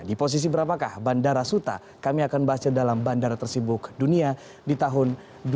di posisi berapakah bandara suta kami akan bahasnya dalam bandara tersibuk dunia di tahun dua ribu dua puluh